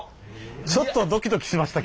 ちょっとドキドキしましたけど。